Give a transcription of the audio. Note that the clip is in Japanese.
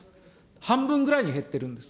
半分ぐらいに減ってるんです。